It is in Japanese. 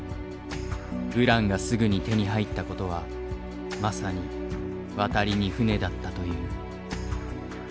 ウランがすぐに手に入ったことはまさに渡りに船だったという。